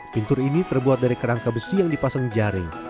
pintur ini terbuat dari kerangka besi yang dipasang jaring